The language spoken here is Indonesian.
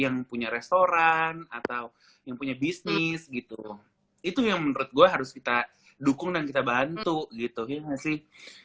yang punya restoran atau yang punya bisnis gitu itu yang menurut gue harus kita dukung dan kita bantu gitu ya nggak sih